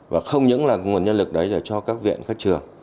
và không những là nguồn nhân lực đấy để cho các viện các trường